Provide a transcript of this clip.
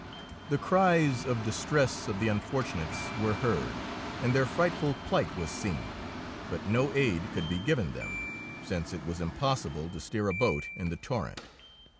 The cries of distress of the unfortunates were heard, and their frightful plight was seen, but no aid could be given them, since it was impossible to steer a boat in the torrent.